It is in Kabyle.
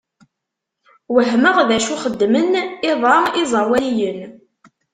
Wehmeɣ d acu xeddmen iḍ-a iẓawaliyen.